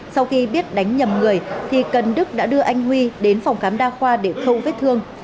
sau khi biết đánh nhầm người thì cần đức đã đưa anh huy đến phòng khám đa khoa để khâu vết thương